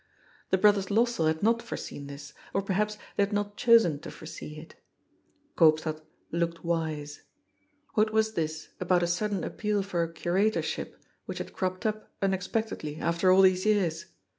The brothers Lossell had not foreseen this, or per haps they had not chosen to foresee it. Koopstad looked wise. What was this about a sudden appeal for a curator ship, which had cropped up unexpectedly after all these years?